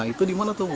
itu dimana tuh bu